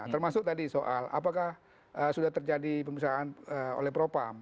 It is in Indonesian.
termasuk tadi soal apakah sudah terjadi pemisahan oleh propam